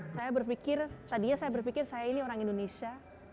saya berpikir tadinya saya berpikir saya ini orang indonesia